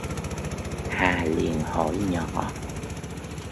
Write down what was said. Hà liền hỏi nhỏ